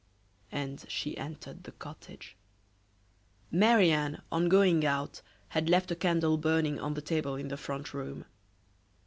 And she entered the cottage. Marie Anne, on going out, had left a candle burning on the table in the front room.